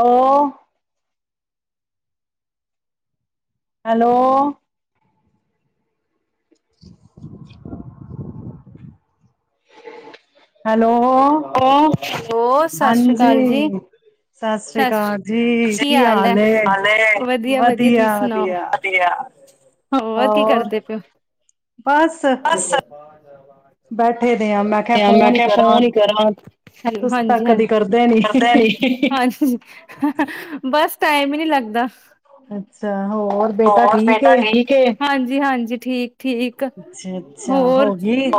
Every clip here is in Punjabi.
ਉਹ ਹੈਲੋ [inaudible] ਹੈਲੋ ਹੈਲੋ ਸਤਿ ਸ਼੍ਰੀ ਅਕਾਲ ਜੀ। ਹਾਂਜੀ। ਸਤਿ ਸ੍ਰੀ ਸਤ ਸ਼੍ਰ ਅਕਾਲ ਸਤਿ ਜੀ, ਸ੍ਰੀ ਅਕਾਲ ਕੀ ਹਾਲ ਹੈ। ਏ? ਵਧੀਆ ਵਧੀਆ ਤੁਸੀ ਸੁਣਾਓ ਹੋਰ ਕੀ ਕਰਦੇ ਪਓ ਬਸ ਬੈਠੇ ਹਾਂ। ਤੇ ਮੈਂ ਕਿਹਾ ਫੋਨ ਹੀ ਕਰਾਂ ਤੁਸੀ ਤਾਂ ਹਾਂਜੀ ਹਾਂ ਕਦੀ ਕਰਦੇ ਨੀ। ਕਰਦਾ ਨੀ ਹ ਬਸ ਟਾਈਮ ਹੀ ਨੀ ਲੱਗਦਾ ਅੱਛਾ ਹੋਰ ਹੋ ਬੇਟਾ ਏ? ਠੀਕ ਹਾਂਜੀ ਹਾਂਜੀ ਠੀਕ ਠੀਕ, ਅੱਛਾ, ਅੱਛਾ ਹੋਰ। ਹੋ ਗਈ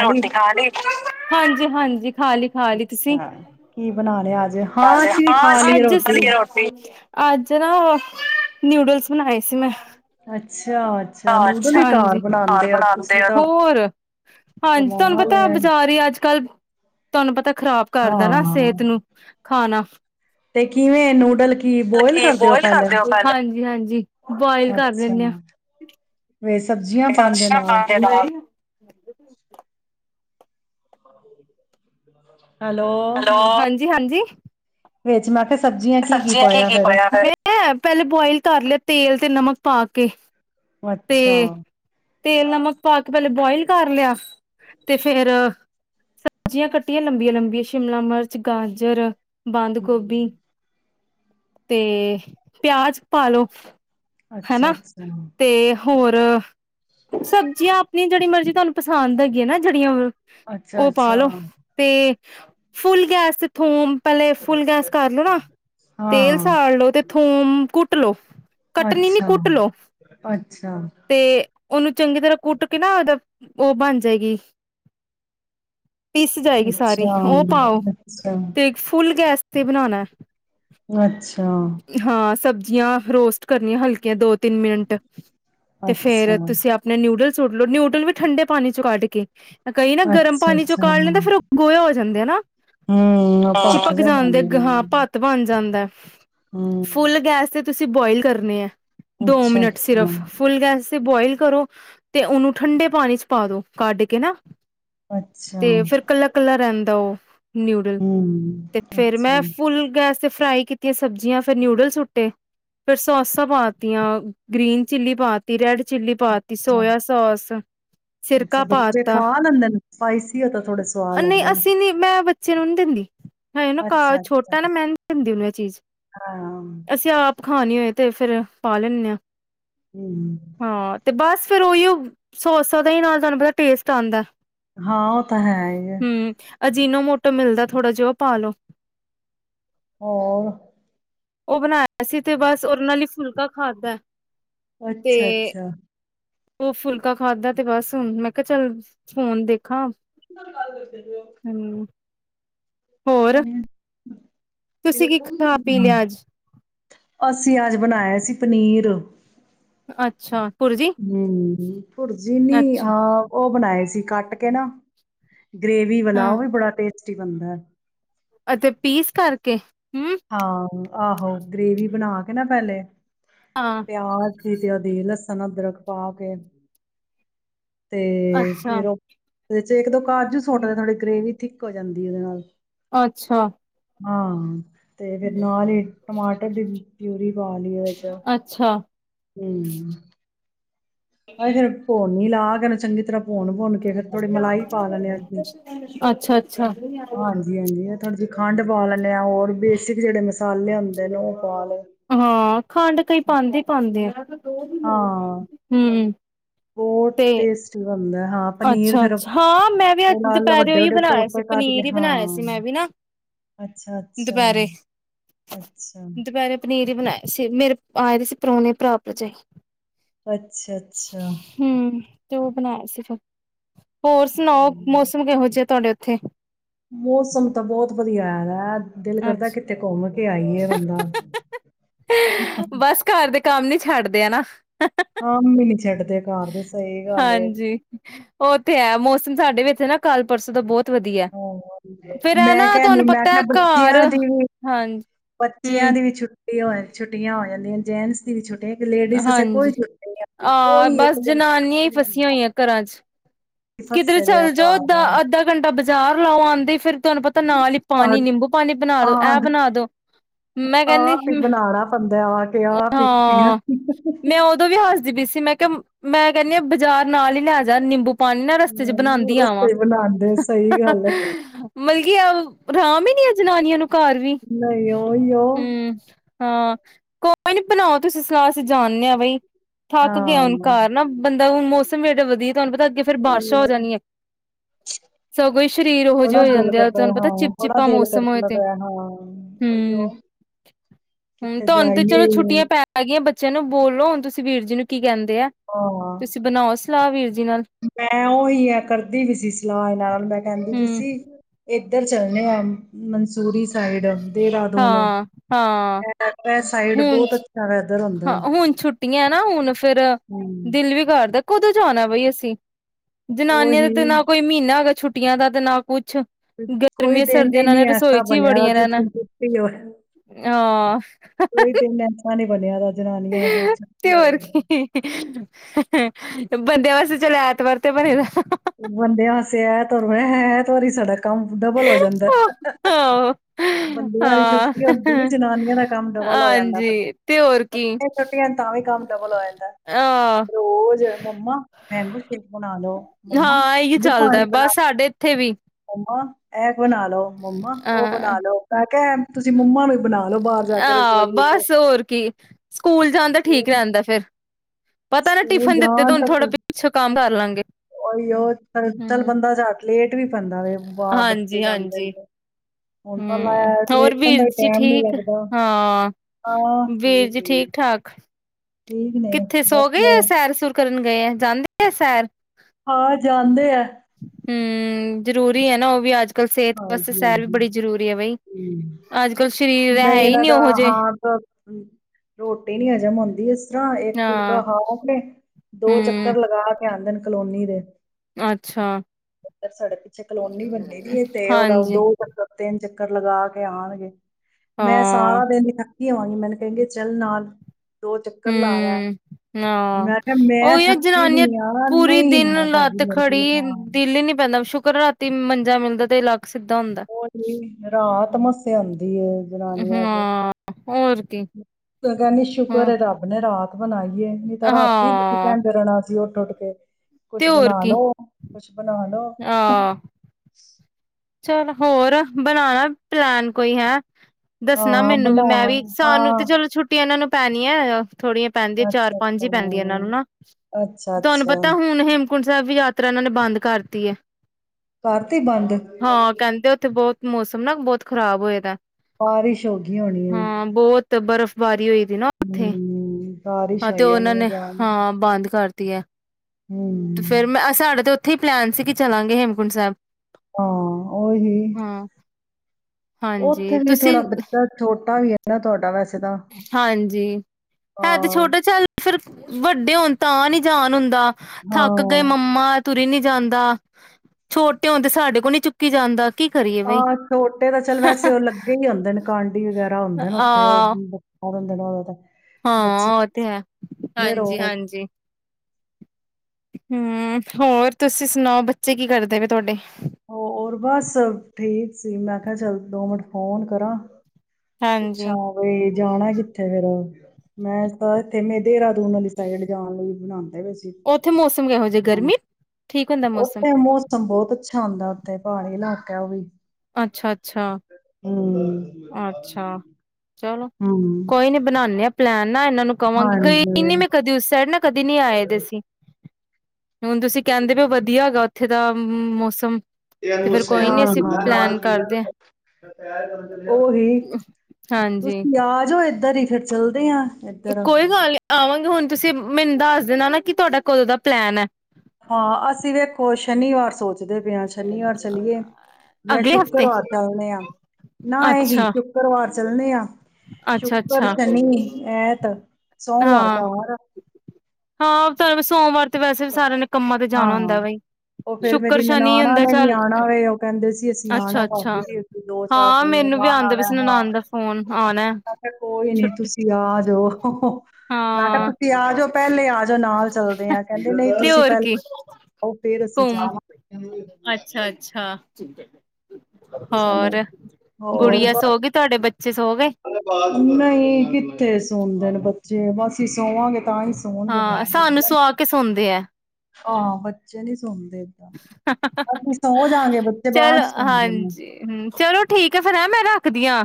ਰੋਟੀ ਖਾ ਲਈ [unintelligible] ਹਾਂਜੀ ਹਾਂਜੀ। ਖਾ ਲਈ, ਖਾ ਲਈ, ਤੁਸੀਂ? ਅੱਛਾ ਕੀ ਬਣਾ ਲਿਆ ਅੱਜ? ਹਾਂ ਅਸੀਂ ਵੀ ਖਾ ਅੱਜ ਅਸੀਂ ਖਾ ਲਈ ਰੋਟੀ, ਅੱਜ ਨਾ ਉਹ ਨਿਊਡਲਸ ਬਣਾਏ ਸੀ ਮੈਂ ਅੱਛਾ ਅੱਛਾ ਨੂਡਲ ਹੀ ਘਰ ਹਾਂਜੀ, ਘਰ ਈ ਬਣਾਉਂਦੇ ਆ ਬਣਾਂਦੇ ਤੁਸੀਂ ਔ। ਤਾਂ ਹੋਰ ਹਾਂਜੀ ਤੁਹਾਨੂੰ ਕਮਾਲ ਪਤਾ ਏ। ਬਜ਼ਾਰੀ ਅੱਜਕੱਲ ਤੁਹਾਨੂੰ ਪਤਾ ਖ਼ਰਾਬ ਕਰਦਾ ਨਾ ਹਾਂ, ਸਿਹਤ ਨੂੰ ਖਾਣਾ ਤੇ ਕਿਵੇਂ ਤੇ ਨੂਡਲ ਕੀ ਹੋ ਬੋਇਲ ਪਹਿਲੇ? ਕਰਦੇ ਓ ਪੇਹ੍ਲਾਂ ਹਾਂਜੀ ਹਾਂਜੀ ਬੋਇਲ ਕਰ ਅੱਛਾ, ਲੈਂਣੇ ਆ। ਵੇ ਸਬਜ਼ੀਆਂ ਪਾਉਂਦੇ ਨਾਲ। [unintelligible] [unintelligible] ਹੇਲੋ, ਹਾਂਜੀ ਹਾਂਜੀ। ਵਿਚ ਮੈਂ ਸਬਜ਼ੀਆਂ ਕੀ-ਕੀ ਪਾਇਆ ਫੇਰ? ਮੈਂ ਪਹਿਲੇ ਬੋਇਲ ਕਰ ਲਿਆ ਤੇਲ ਤੇ ਨਮਕ ਪਾ ਕੇ ਕੇ ਅੱਛਾ ਤੇਲ ਨਮਕ ਪਾ ਕੇ ਪਹਿਲੇ ਬੋਇਲ ਕਰ ਲਿਆ ਤੇ ਫੇਰ ਸਬਜ਼ੀਆਂ ਕੱਟੀਆਂ ਲੰਬੀਆਂ-ਲੰਬੀਆਂ ਸ਼ਿਮਲਾ ਮਿਰਚ ਗਾਜਰ ਬੰਦ ਗੋਭੀ ਤੇ ਪਿਆਜ ਪਾਲੋ। ਅੱਛਾ ਅੱਛਾ। ਹੋਰ ਸਬਜ਼ੀਆਂ ਆਪਣੀ ਜਿਹੜੀ ਮਰਜ਼ੀ ਤੁਹਾਨੂੰ ਪਸੰਦ ਹੈਗੀਆਂ ਨਾ ਜਿਹੜੀਆਂ ਉਹ ਅੱਛਾ-ਅੱਛਾ, ਪਾਲੋ ਤੇ ਫੁੱਲ ਗੈਸ ਥੋਮ ਪਹਿਲੇ ਫੁੱਲ ਗੈਸ ਕਰ ਲੋ ਨਾ ਤੇਲ ਹਾਂ। ਸਾੜ ਲੋ ਤੇ ਥੂਮ ਕੁੱਟ ਲੋੋ, ਕੱਟਣੀ ਨੀ ਅੱਛਾ, ਕੁੱਟ ਲੋੋ ਅੱਛਾ, ਤੇ ਉਹਨੂੰ ਚੰਗੀ ਤਰ੍ਹਾਂ ਕੁੱਟ ਕੇ ਨਾ ਉਹਦਾ ਉਹ ਬਣ ਜਾਏਗੀ ਪਿਸ ਜਾਏਗੀ ਸਾਰੀ ਅੱਛਾ, ਉਹ ਪਾਓ ਅੱਛਾ। ਤੇ ਫੁੱਲ ਗੈਸ ਤੇ ਬਣਾਉਣਾ ਅੱਛਾ। ਜ ਰੋਸਟ ਕਰਨੀਆਂ ਹਲਕੀਆਂ ਦੋ ਤਿੰਨ ਮਿੰਟ ਤੇ ਅੱਛਾ। ਫੇਰ ਤੁਸੀਂ ਆਪਣੇ ਨਿੂਡਲ ਸੁੱਟ ਲੋ ਨਿਊਡਲ ਵੀ ਠੰਡੇ ਪਾਣੀ ਚੋਂ ਕੱਢ ਕੇ ਕਈ ਨਾ ਗਰਮ ਪਾਣੀ ਚੋਂ ਕਾਲ ਲੈਂ ਤਾਂ ਫੇਿਰ ਉਹ ਗੋਇਆ ਹੋ ਜਾਂਦੇ ਆ ਨਾ ਹਮਮ, ਆਪਾਂ ਅੱੱਠ ਚਿਪਕ ਹਜਾਰ ਜਾਂਦੇ ਮੰਗਦੇ ਹਾਂ ਆ। ਭੱਤ ਬਣ ਜਾਂਦਾ ਏ। ਫੁੱਲ ਗੈਸ ਤੇ ਤੁਸੀਂ ਬੋਆਇਲ ਕਰਨੇ ਐ ਦੋ ਮਿੰਟ ਅੱਛਾ-ਅੱਛਾ। ਸਿਰਫ, ਫੁੱਲ ਗੈਸ ਤੇ, ਬੋਆਇਲ ਕਰੋ ਤੇ ਉਹਨੂੰ ਠੰਡੇ ਪਾਣੀ ਚ ਪਾ ਦੋ, ਕੱਢ ਕੇ ਨਾ। ਅੱਛਾ, ਤੇ ਫੇਰ ਕੱਲਾ-ਕੱਲਾ ਰਹਿੰਦਾ ਦੋ ਨਿਊਡਲ, ਹੂੰ, ਤੇ ਫੇਰ ਅੱਛਾ। ਮੈਂ ਫੁੱਲ ਗੈਸ ਤੇ ਫਰਾਈ ਕੀਤੀਆਂ ਸਬਜ਼ੀਆਂ, ਫੇਰ ਨਿਊਡਲ ਸੁੱਟੇ, ਫੇਰ ਸੌਸਾ ਪਾ ਤੀਆਂ, ਗ੍ਰੀਨ ਚਿੱਲੀ ਪਾ ਤੀ, ਰੈਡ ਚਿੱਲੀ ਪਾਤੀ ਸੋਇਆ ਸੋਸ ਅੱਛਾ, ਸਿਰਕਾ ਬੱਚੇ ਪਾਤਾ ਖਾ ਲੈਂਦੇ ਨੇ। ਸਪਾਈਸੀ ਏ ਤੇ ਥੋੜੇ ਸੁਆਦ ਲੱਗਦੇ ਨੇ। ਚਲਨ ਦੇਂਦੀ ਹੲ ਨਾ ਕਾ ਛੋਟ ਅੱਛਾ-ਅੱਛਾ, ਪਹਿਲਾਂ ਮੈਂ ਨੀ ਦਿੰਦੀ ਉਹਨੂੰ ਇਹ ਚੀਜ਼। ਹਾਂ, ਅਸੀਂ ਆਪ ਖਾਣੀ ਹੋਏ ਤੇ ਫਿਰ, ਪਾ ਲੈਨੇ ਆ। ਹੂੰ, ਹਾਂ ਤੇ ਬਸ ਫੇਰ ਉਹੀਓ, ਸੋਸਾ ਦਾ ਹੀ ਨਾਲ ਸਾਨੂੰ ਪਤਾ ਟੇਸਟ ਆਉਂਦਾ। ਹਾਂ, ਉਹ ਤਾਂ ਹੈ ਹੀ ਐ। ਹਮ ਅਜੀਨੋ ਮੋਟੋ ਮਿਲਦਾ, ਥੋੜ੍ਹਾ ਜਿਹਾ ਉਹ ਪਾ ਲਓ। ਹੋਰ ਉਹ ਬਣਾਇਆ ਸੀ ਤੇ ਬਸ, ਉਹਦੇ ਨਾਲ ਹੀ ਫੁਲਕਾ ਖਾਧੇ। ਅੱਛਾ-ਅੱਛਾ। ਉਹ ਫੁਲਕਾ ਖਾਧਾ ਤੇ ਬਸ ਹੁਣ, ਮੈਂ ਕਿਹਾ ਚੱਲ ਫੋਨ ਦੇਖ [unintelligible] ਤੁਹਾਡੀ ਗੱਲ ਦੱਸਦੇ ਪਏ ਉਹ। ਹੂੰ ਹੋਰ ਹਮ ਤੁਸੀਂ ਕੀ ਖਾ-ਪੀ ਲਿਆ, ਅੱਜ? ਅੱਜ ਅਸੀਂ ਅੱਜ ਬਣਾਇਆ ਸੀ, ਪਨੀਰ। [unintelligible] ਅੱਛਾ। ਪੁਰਜੀ ਹੂੰ। ਭੁਰਜੀ ਨੀ ਅੱਛਾ ਆ ਉਹ ਬਣਾਏ ਸੀ ਕੱਟ ਕੇ ਨਾ ਗ੍ਰੇਵੀ ਵਾਲਾ ਹਾਂ ਉਹ ਵੀ ਬੜਾ ਟੇਸਟ ਟੇਸਟੀ ਬਣਦੈ ਅਤੇ ਪੀਸ ਕਰ ਕੇ ਹਾਂ, ਆਹੋ ਗਰੇੇਵੀ ਬਣਾ ਕੇ ਨਾ ਪਹਿਲੇ ਹਾਂ ਪਿਆਜ ਖਰੀਦੇ ਅੱਜ ਦੀ ਲਸਣ ਅਦਰਕ ਪਾ ਕੇ ਤੇ ਅੱਛਾ ਫੇਰ ਉਹਦੇ ਚ ਇੱਕ ਦੋ ਕਾਜੂ ਸੁੱਟਦੇ ਹੂੰ, ਥੋੜੀ ਗ੍ਰੇਵੀ ਤੀ ਹੋ ਜਾਂਦੀ ਏ ਉਹਦੇ ਨਾਲ ਅੱਛਾ। ਹਾਂ। ਤੇ ਫਿਰ ਨਾਲ ਹੀ ਟਮਾਟਰ ਦੀ ਪਿਊਰੀ ਪਾ ਲਈ ਉਹਦੇ ਚ ਅੱਛਾ ਹੂੰ ਆ ਫੇਰ ਭੁਨ ਹੀ ਲਾ ਕੇ ਚੰਗੀ ਤਰ੍ਹਾਂ ਭੁੰਨ ਭੁੰਨ ਕੇ ਫਿਰ ਥੋੜੀ ਮਲਾਈ ਪਾ ਲੈਨੇ ਆਂ ਅਸੀਂ ਅੱਛਾ ਅੱਛਾ ਹਾਂਜੀ ਹਾਂਜੀ ਇਹ ਥੋੜੀ ਜਿ ਖੰਡ ਪਾ ਲੈਂਣੇ ਹਾਂ ਔਰ ਬੇਸਿਕ ਜਿਹੜੇ ਮਸਾਲੇ ਹੁੰਦੇ ਨੇ ਉਹ ਪਾ ਲੈ ਹਾਂ ਖੰਡ ਕਈ ਪਾਂਦੇ ਈ ਪਾਂਦੇ ਆ। ਹਾਂ। ਹੂੰ ਬਹੁਤ ਤੇ ਟੇਸਟੀ ਬਣਦੈ। ਅੱਛਾ, ਅੱਛਾ ਹਾਂ ਮੈਂ ਵੀ ਅੱਜ ਨਾਲ ਦੁਪਹਿਰੇ ਓਹੀ ਵੱਡੇ-ਵੱਡੇ ਬਣਾਇਆ ਸੀ, ਟੋਟੇ ਕੱਟ ਕੇ ਪਨੀਰ ਹੀ ਹਾਂ ਬਣਾਇਆ ਸੀ ਮੈਂ ਵੀ ਨਾ ਅੱਛਾ-ਅੱਛਾ, ਦੁਪਹਿਰੇ, ਅੱਛਾ, ਦੁਪਹਿਰੇ ਪਨੀਰ ਹੀ ਬਣਾਇਆ ਸੀ ਮੇਰੇ ਆਏ ਸੀ ਪ੍ਰਾਹੁਣੇ ਭਰਾ- ਭਰਜਾਈ ਅੱਛਾ, ਅੱਛਾ। ਹੂੰ ਤੇ ਉਹ ਬਣਾਇਆ ਸੀ ਫੇਰ ਹੋਰ ਸੁਣਾਓ ਚਲੋ ਮੌਸਮ ਕਿਹੋ ਜਿਹੇ ਤੁਹਾਡੇ ਓਥੇ ਥੇ ਮੌਸਮ ਤਾਂ ਬਹੁਤ ਵਧੀਆ ਪਿਆਰਾ ਤ ਦਿਲ ਕਰਦਾ ਅੱਜ? ਕਿੱਥੇ ਘੁੰਮ ਕੇ ਆਈਏ ਬੰਦਾ ਬਸ ਘਰ ਦੇ ਕੰਮ ਨੀ ਛੱਡਦੇ ਆ ਨਾ ਕੰਮ ਈ ਨੀ ਛੜਦੇ ਹਾਂਜੀ ਉਹ ਤੇ ਹੈ ਮੌੋਸ ਸਾਡੇ ਇੱਥੇ ਨਾ ਕਾਲ ਪਰਸੋਂ ਦਾ ਬਹੁਤ ਵਧੀਆ। ਫੇਰ ਹੈ ਮੈਂ ਨਾ ਕਹਿਦੀ ਤੁਹਾਨੂੰ ਮੈਂ ਪਤਾ ਕਿਹਾ ਬੱਚਿਆਂ ਘਰ ਦੀ ਵੀ ਹਾਂਜੀ ਬੱਚਿਆਂ ਹੂੰ ਦੀ ਵੀ ਛੁੱਟੀ ਛੁੱਟੀਆਂ ਹੋ ਜਾਂਦੀਆਂ ਜੇਨਟਸ ਦੀ ਛੁੱਟੀ ਛੁੱਟੀਆਂ ਇੱਕ ਲੇਡੀਜ਼ ਅਸੇ ਹਾਂਜੀ ਕੋਈ ਨਹੀਂ ਆਉਂਦੀ ਹਹ ਕੋਈ ਇੱਕ ਬਸ ਦਿਨ ਜਨਾਨੀਆਂ ਹੀ ਛੁੱਟੀ ਨਹੀਂ ਫਸੀਆਂ ਹੁੰਦਾ ਹੋਈਆਂ ਘਰਾਂ ਚ ਕਿਧਰ ਫਸੇ ਦੇ ਆ ਚੱਲ ਜਾਓ ਅੱਧਾ ਘਰ ਅੱਧਾ ਘੰਟਾ ਬਾਜ਼ਾਰ ਲਾਓ ਆਉਂਦੇ ਫਿਰ ਤੁਹਾਨੂੰ ਪਤਾ ਨਾਲ ਹੀ ਪਾਣੀ ਨਿੰਬੂ ਪਾਣੀ ਬਣਾ ਦੋ ਇਹ ਬਣਾ ਦੋ ਮੈਂ ਆਹ ਕਹਿੰਦੀ ਬਣਾਣਾ ਬੰਦਾ ਆ ਕੇ ਆਹ ਪੀਣਾ ਹਾਂ ਮੈਂ ਉਦੋਂ ਵੀ ਹੱਸਦੀ ਬੀ ਸੀ ਮੈਂ ਮੈਂ ਕਹਿੰਦੀ ਆਾਂ ਬਾਜ਼ਾਰ ਨਾਲ ਹੀ ਲੈ ਜਾ ਨਿੰਬੂ ਪਾਣੀ ਨਾ ਰਸਤੇ ਚ ਹਮ, ਬਣਾਉਂਦੀ ਆ ਵਾਂ ਰਸੋਈ ਬਣਾਉਂਦੇ ਸਹੀ ਗੱਲ ਹੈ ਮਤਲਬ ਕੀ ਆ ਰਰਾਮ ਹੀ ਨੀ ਆ ਜਨਾਨੀਆਂ ਨੂੰ ਘਰ ਵੀ ਨਹੀਂ ਉਹੀ ਉਹ ਹਮ ਹਾਂ ਕੋਈ ਨੀ ਬਣਾਓ ਤੁਸੀਂ ਅਸ ਜਾਣਦੇ ਆਾਂ ਬਈ ਥੱਕ ਗਿਆ ਹੁਣ ਹਾਂ ਘਰ ਨਾ ਬੰਦਾਸ ਮੇਟ ਵੀਆ ਤੁਹਾਨੂੰ ਪਤਾ ਅੱਗੇ ਫੇਿਰ ਬਾਰਿਸ਼ਾਂ ਹੋ ਜਾਣੀ ਹੈ ਸਗੋਂ ਹੀ ਸਰੀਰ ਉਹ ਜਿਹੇ ਬੜਾ ਹੋ ਦਿਲ ਜਾਂਦੇ ਆ ਕਰਦਾ ਹੈ ਤੁਹਾਨੂੰ ਪਤਾ ਹਾਂ ਚਿਪ ਬੜਾ ਚਿਪਾ ਦਿਲ ਮੌਸਮ ਹੋਏ ਕਰਦਾ ਤੇ ਪਿਆ ਹਾਂ ਹਮ ਹਮ ਕਿਤੇ ਤੁਹਾਨੂੰ ਤੇ ਜਾਈਏ ਚਲੋ ਛੁੱਟੀਆਂ ਪੈ ਹੈਗੀਆਂ ਬੱਚਿਆਂ ਨੂੰ ਬੋਲੋ ਤੁਸੀਂ ਵੀਰ ਜੀ ਨੂੰ ਕੀ ਕਹਿੰਦੇ ਹਾਂ ਤੁਸੀਂ ਬਣਾਓ ਸਲਾਵਰ ਮੈਂ ਉਹੀ ਆ ਕਰਦੀ ਵੀ ਸੀ ਸਲਾਹ ਇਹਨਾਂ ਮੈਂ ਕਹਿੰਦੀ ਵੀ ਹਮ ਸੀ ਇੱਧਰ ਚੱਲਣੇ ਆ ਮਨਸੂਰੀ ਸਾਈਡ ਦੇਹਰਾਦੂਨ ਹਾਂ ਹਾਂ ਇਹ ਇਹ ਸਾਈਡ ਹੁਣ ਬਹੁਤ ਅੱਛਾ ਵੈਦਰ ਹੁੰਦਾ ਹੈ। ਹਾਂ ਹੁਣ ਛੁੱਟੀਆਂ ਨਾ ਹੁਣ ਫਿਰ ਹਮ ਦਿਲ ਵੀ ਕਰਦਾ ਕਦੋਂ ਜਾਣਾ ਬਾਈ ਅਸੀਂ ਜਨਾਨੀਆਂ ਦਾ ਉਹੀ ਤਾਂ ਨਾ ਕੋਈ ਮਹੀਨਾ ਹੈਗਾ ਛੁੱਟੀ ਟੁੱਟੀਆਂ ਦਾ ਤੇ ਨਾ ਕੁੱਛ ਕੋਈ ਗਰਮੀਆਂ ਦਿਨ ਸਰਦੀਆਂ ਹੀ ਨਾਲ ਨੇ ਨਹੀਂ ਰਸੋਈ ਐਸਾ ਚ ਹੀ ਵੜ ਬਣਿਆ ਦਾ ਕੁੜੀਆਂ ਜਿਸ ਰਹਿਣਾ ਹਾਂ ਦਿਨ ਛੁੱਟੀ ਹੋਏ ਕੋਈ ਦਿਨ ਐਸਾ ਨਹੀਂ ਬਣਿਆ ਦਾ ਜਨਾਨੀਆਂ ਸੇ ਤੇ ਛੁੱਟੀ ਵਰ ਹੋਏ ਕੀ ਬੰਦਿਆਂ ਵਾਸਤੇ ਚੱਲ ਐਤਵਾਰ ਤੇ ਬਣੇ ਦਾ ਬੰਦੇ ਵਾਸੇ ਐ ਤੁਰ ਮੈਂ ਤਰੀ ਸੜਕ ਕੰਮ ਡਬਲ ਹੋ ਜਾਂਦਾ ਆਹੋ ਬੰਦਿਆਂ ਦੀ ਹਾਂ ਛੁੱਟੀ ਹੁੰਦੀ ਜਨਾਨੀਆਂ ਦਾ ਕੰਮ ਡਬਲ ਹੋ ਜਾਂਦਾ ਹਾਂਜੀ ਤੇ ਹੋਰ ਬਿਆਂ ਕੀ ਦੀ ਛੁੱਟੀਆਂ ਤਾਂ ਵੀ ਕੰਮ ਡਬਲ ਹੋ ਜਾਂਦਾ ਆਹ ਰੋਜ਼ ਮੰਮਾ ਮੈਂਗੂ ਸ਼ੇਕ ਬਣਾ ਲੋ ਮੰਮਾ ਹਾਂ ਇਹੀ ਨਿੰਬੂ ਚੱਲਦਾ ਬਸ ਸਾਡੇ ਇੱਥੇ ਵੀ ਹਾਂ ਇਹ ਮੰਮਾ ਉਹ ਬਣਾ ਲਓ ਅਹ ਮੈਂ ਕਿਹਾ ਤੁਸੀਂ ਮੰਮਾ ਨੂੰ ਵੀ ਬਣਾ ਲੋ ਬਾਹਰ ਜਾ ਕੇ ਆਹ ਰਸੋਈ ਬਸ ਹੋਰ ਕੀ ਸਕੂਲ ਜਾਣ ਦਾ ਠੀਕ ਰਹਿੰਦਾ ਫੇਰ ਪਤਾ ਨਾ ਸਕੂਲ ਟਿਫਨ ਦਿੱਤੇ ਤੇ ਜਾਣ ਹੁਣ ਤੱਕ ਥੋੜ੍ਹਾ ਪਿੱਛੋਂ ਕੰਮ ਕਰ ਲਵਾਂਗੇ। ਉਹੀਓ ਚੱਲ ਬੰਦਾ ਝੱਟ [inaudible] ਲੇਟ ਵੀ ਪੈਂਦਾ ਵ ਵ ਬੱਚੇ ਜਾਂਦੇ ਹੁਣ ਤਾਂ ਲੈ ਹਮ ਹੋਰ ਲੇਟਣ ਵੀਰ ਦਾ ਜੀ ਟਾਈਮ ਨੀ ਠੀਕ ਲੱਗਦਾ। ਹਾਂ ਹਾਂ ਵੀਰ ਜੀ ਵੀ ਠੀਕ ਠਾਕ ਠੀਕ ਨੇ ਕਿੱਥੇ ਸੋ ਬਸ ਗਏ ਮੈਂ ਆ ਸੈਰ ਸੁਰ ਕਰਨ ਗਏ ਆ ਜਾਂਦੇ ਆ ਸੈਰ ਹਾਂ ਜਾਣਦੇ ਹੈ। ਹਮ ਜਰੂਰੀ ਹੈ। ਨਾ ਉਹ ਵੀ ਅੱਜ ਸਿਹਤ ਵਾਸਤੇ ਹਾਂਜੀ, ਸੈਰ ਹਾਂਜੀ, ਬੜੀ ਜ਼ਰੂਰੀ ਹੈ। ਬਈ ਹੂੰ, ਅੱਜਕੱਲ ਸਰੀਰ ਹੈ। ਹੀ ਇਹਨਾਂ ਨਹੀਂ ਦਾ ਉਹੋ ਜਿਹੇ ਹਾਂ ਕ ਰੋਟੀ ਨੀ ਹਜੇਮ ਹੁੰਦੀ ਇੱਕ ਫੁਲਕਾ ਹਾਂ ਹਾਣੇ ਦੋ ਹੂੰ ਚੱਕਰ ਲਗਾ ਕੇ ਜਾਂਦੇਨ ਕਲੋਨੀ ਦੇ ਅੱਛਾ ਵਧ ਤੇ ਉਹਦਾ ਹਾਂਜੀ ਦੋ ਚੱਕਰ ਤਿੰਨ ਚੱਕਰ ਚੱਕਰ ਲਗਾ ਕੇ ਆਉਣਗੇ ਮੈਂ ਹਾਂ ਸਾਰਾ ਦਿਨ ਆਵਾਂਗੀ ਮੈਨੂੰ ਕਹਿੰਗੇ ਚੱਲ ਨਾਲ ਦੋ ਚੱਕਰ ਲਾ ਲੈ ਹਮ ਹਾਂ ਮੈਂ ਕਿਹਾ ਮੈਂ ਉਹੀ ਆ ਥੱਕੀ ਜਨਾਨੀਆਂ ਵੀ ਆ ਪੂਰੀ ਨਹੀਂ ਦਿਨ ਹਿੰਮਤ ਹੈਗੀ ਲੱਤ ਮੇਰੇ ਕੋਲ ਖੜੀ ਹਾਂ ਦਿਲ ਹੀ ਨੀ ਪੈਂਦਾੁ ਰਾਤੀ ਮੰਜਾ ਮਿਲਦਾ ਤੇ ਇਲਾ ਉਹ ਨਹੀਂ ਰਾਤ ਮੱਸਿਆ ਦੀ ਜਨਾਨੀਆਂ ਤੇ ਹਾਂ ਹੋਰ ਕੀ ਕਹਿੰਦੀ ਹਾਂ ਸ਼ੁਕਰ ਰੱਬ ਨੇ ਰਾਤ ਬਣਾਈ। ਨਹੀਂ ਤਾਂ ਰਾਤੀ ਥੋੜੀ ਹਾਂ ਦੇਰ ਕੁਛ ਬਣਾ ਲੋ ਕੁਛ ਬਣਾ ਲ ਆ [inaudible] ਚੱਲ ਹੋਰ ਬਣਾਉਣਾ ਪਲੈਨ ਕੋਈ ਹੈ। ਦੱਸਣਾ ਹਾਂ ਮੈਨੂੰ ਵੀ ਬਣਾ ਮੈਂ ਵੀ ਸਾਹ ਨੂੰ ਤੇ ਹਾਂ ਚਲੋ ਛੁੱਟੀਆਂ ਇਹਨਾਂ ਨੂੰ ਪੈ ਨ ਆਇਓ ਥੋੜੀਆਂ ਪੈਂਦੀਆਂ ਚਾਰ ਅੱਛਾ ਪੰਜ ਹੀ ਪੈਂਦੀਆਂ ਇਹਨਾਂ ਨੂੰ ਨਾ ਅੱਛਾ ਅੱਛਾ ਤੁਹਾਨੂੰ ਅੱਛਾ ਪਤਾ ਹੁਣ ਹ ਕਟ ਸਾਹਿਬ ਵੀ ਯਾਤਰਾ ਇਹਨਾਂ ਨੇ ਬੰਦ ਕਰਤੀ ਹੈ ਘਰ ਤੇ ਬੰਦ ਹਾਂ ਕਹਿੰਦੇ ਉੱਥੇ ਬਹੁਤ ਮੌਸਮ ਨਾ ਬਹੁਤ ਖ਼ਰਾਬ ਹੋਏ ਦਾ ਬਾਰਿਸ਼ ਹੋ ਗਈ ਹੋਣੀ ਹੈ ਹਾਂ ਬਹੁਤ ਬਰਫ਼ ਵਾਰੀ ਹੋਈ ਉੱਥੇ ਹਮ ਬਾਰਿਸ਼ ਹਾਂ ਤੇ ਹੋਈ ਹੋਣੀ ਉਹਨਾਂ ਹੈ ਨੇ ਯਾਰ ਹਾਂ ਬੰਦ ਕਰਤੀ ਹੈ ਤੇ ਫਿਰ ਹਮ ਮੈਂ ਸਾਡੇ ਤੇ ਉੱਥੇ ਪਲੈਨ ਸੀ ਕਿ ਚੱਲਾਂਗੇ ਹੇਮਕੁੰਟ ਸਾਹਿਬ ਹਾਂ ਉਓਹੀ ਹਾਂ ਉੱਥੇ ਹਾਂਜੀ ਵੀ ਤੁਸੀਂ ਥੋੜਾ ਬੱਚਾ ਛੋਟਾ ਵੀ ਹੈ ਨਾ ਤੁਹਾਡਾ ਵੈਸੇ ਅਛ ਤਾਂ ਹਾਂਜੀ ਹੈ ਤੇ ਹਾਂ ਛੋਟਾ ਚੱਲ ਫਿਰ ਵੱਡੇ ਹੋਣ ਤਾਂ ਨੀ ਜਾਨ ਹੁੰਦਾ ਥੱਕ ਗਏ ਹਾਂ ਮੰਮਾ ਤਰੀ ਨੀ ਜਾਂਦਾ ਛੋਟੇ ਹੋਣ ਤੇ ਸਾਡੇ ਕੋਲ ਨੀ ਚੁੱਕੀ ਜਾਂਦਾ ਕੀ ਕਰੀਏ ਬਈ ਹਾਂ ਛੋਟੇ ਤਾਂ ਚੱਲ ਵੈਸੇ ਉਹ ਲੱਗੇ ਹੀ ਆਉਦੇ ਨੇ ਕਡ ਵਗੈਰਾ ਹੁੰਦੇ ਨੇ ਉੱਥੇ ਆਹ ਉਹ ਰਦਾ ਹਾਂ ਉਹ ਤੇ ਹੈ ਹਾਂਜੀ ਰਹੋ ਹਾਂਜੀ ਹਮ ਹੋਰ ਤੁਸੀਂ ਸੁਣਾਓ ਬੱਚੇ ਕੀ ਕਰਦੇ ਪ ਤੁਹਾਡੇ ਹੋ ਹੋਰ ਬਸ ਠੀਕ ਸੀ ਮੈਂ ਕਿਹਾ ਚੱਲ ਦੋ ਮਿੰਟ ਫੋਨ ਕਰਾਂ ਪੁੱਛਾ ਹਾਂਜੀ ਜਾਣਾ ਕਿੱਥੇ ਫਿਰ ਮੈਂ ਤਾਂ ਇੱਥੇ ਮੇਧੇਰਾ ਸਾਈਡ ਦੇ ਆਉਣ ਬਣਾਉ ਉੱਥੇ ਮੌਸਮ ਕਿਹੋ ਜਿ ਗਰਮੀ ਠੀਕ ਹੁੰਦਾ ਮੌਸਮ ਉੱਥੇ ਮੌਸਮ ਬਹੁਤ ਅੱਛਾ ਉੁੰਦਾ ਉੱਥੇ ਪਹਾੜੀ ਇਲਾਕਾ ਉਹ ਵੀ ਅੱਛਾ ਅੱਛਾ। ਹਂ ਅੱਛਾ ਚਲ ਹੂੰ ਕੋਈ ਨੀ ਬਣਾਦਣੇ ਆ ਪ੍ਰੋ ਪਲੈਨ ਨਾ ਇਹਨਾਂ ਨੂੰ ਕਵਾਂਗੀ। ਗਈ ਨੀ ਹਾਂਜੀ ਮੈਂ ਕਦੀ ਉਸ ਸਾਈਡ ਨਾ ਕਦੀ ਨੀ ਆਏ ਦੇ ਅਸੀਂ ਹੁਣ ਤੁਸੀਂ ਕਹਿੰਦੇ ਪੈ ਓ ਵਧੀਆ ਹੈਗਾ ਓ ਇੱਥੇ ਦਾ ਮ ਮ ਮੌਸਮ ਤੇ ਇਹਨੂੰ ਫੇਰ ਕੋਈ ਨੀ ਅਸੀਂ ਪਲੈਨ ਕਰਦੇ ਆ [unintelligible] ਉਹੀ ਹਾਂਜੀ ਤੁਸੀਂ ਆ ਜਾਓ ਏਧਰ ਹੀ ਫਿਰ ਚੱਲਦੇ ਆਂ ਕੋਈ ਗੱਲ ਨਹੀਂ ਆਵਾਂ ਹੁਣ ਤੁਸੀਂ ਮੈਨੂੰ ਦੱਸ ਦੇਣਾ ਨਾ ਕਿ ਤੁਹਾਡਾ ਕਦੋਂ ਦਾ ਪਲੈਨ ਐ। ਹਾਂ, ਅਸੀਂ ਵੇਖੋ ਸ਼ਨੀਵਾਰ ਸੋਚਦੇ ਪਏ ਆਂ। ਸ਼ਨੀਵਾਰ ਚਲੀਏ ਜਾਂ ਅਗਲੇ ਹਫ਼ਤੇ ਸ਼ੁੱਕਰਵਾਰ ਚੱਲਦੇ ਆਂ ਨਾਂ ਇਹੀ ਅੱਛਾ, ਸ਼ੁੱਕਰਵਾਰ ਚੱਲਨੇ ਆਂ। ਸ਼ੁੱਕਰ ਅੱਛਾ-ਅੱਛਾ ਸ਼ਨੀ ਐਤ ਸੋਮਵਾਰ ਹਾਂ ਘਰ ਹਾਂ ਤੁਹਾ ਵੀ ਸੋਮਵਾਰ ਤੇ ਵੈਸੇ ਵੀ ਸਾਰਿਆਂ ਨੇ ਕੰਮਾਂ ਤੇ ਹਾਂ ਜਾਣਾ ਹੁੰਦਾ ਬਈ ਉਹ ਫੇਰ ਸ਼ੁੱਕਰ ਮੇਰੀ ਸ਼ਨੀ ਨਨਾਣਾ ਹੁੰਦਾ ਨੇ ਵੀ ਚੱਲ ਆਉਣਾ ਵੇ ਉਹ ਕਹਿੰਦੇ ਸੀ ਅਸੀਂ ਆਉਣਾ ਭਾਬੀ ਅੱਛਾ-ਅੱਛਾ ਦੀ ਏਕ ਦੋ ਚਾਰ ਹਾਂ ਦਿਨ ਨੂੰ ਮੈਨੂੰ ਵੀ ਰਹਿਣ ਆਂਦਾ ਪਿਆ ਆਣਾ ਸੀ ਹਾਂ। ਨਨਾਨ ਦਾ ਫੋਨ ਆਣਾ ਮੈਂ ਕਿਹਾ ਕੋਈ ਨੀ ਛੁੱਟੀ ਤੁਸੀਂ ਆ ਜੋ ਮੈਂ ਕਿਹਾ ਹਾਂ ਤੁਸੀਂ ਆ ਜਾਓ ਪਹਿਲੇ ਆ ਜਾਓ ਨਾਲ ਚੱਲਦੇ ਆ, ਕਹਿੰਦੇ ਨਹੀਂ ਤੇ ਤੁਸੀਂ ਹੋਰ ਪਹਿਲੇ ਕੀ ਆਓ ਫੇਰ ਅਸੀਂ ਘੁੰਮ ਜਾ ਚਿੰਤਾ ਚਲੋ ਹੋਰ ਗੁੜੀਆ ਸੋ ਗਈ ਤੁਹਾਡੇ ਬੱਚੇ ਸੋ ਗਏ [unintelligible] ਨਈਂ ਕਿੱਥੇ ਸੁਣਦੇ ਨੇ ਬ ਜੇ ਬਾਸ ਇਸ ਹਾਂ, ਸਾਨੂੰ ਸੁਆ ਕੇ ਸੌਦੇ ਐ ਹਾਂ ਬਚੇ ਨੀ ਸੁਣਦੇ ਏਦਾਂ ਅਸੀਂ ਸੌ ਜਾਾਂਗੇ [unintelligible] ਬੱਚੇ ਬਾਅਦ ਚਲੋ ਚ ਸੌਂਦੇ ਨੇ ਹਾਂਜੀ, ਹਮ ਚਲੋ ਠੀਕ ਫਿਰ ਹੈਂ ਮੈਂ ਰੱਖਦੀ ਆਂ,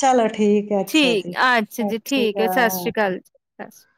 ਚਲੋ ਠੀਕ ਹੈ ਅੱਛਾ ਠੀਕ ਜੀ ਅੱਛਾ ਸਤਿ ਜੀ ਸ਼੍ਰੀ ਠੀਕ ਐ, ਸਤਿ ਸ੍ਰੀ ਅਕਾਲ ਜੀ, ਸਤਿ ਸ਼੍ਰੀ ਅਕਾ।